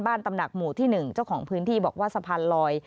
ตำหนักหมู่ที่๑เจ้าของพื้นที่บอกว่าสะพานลอย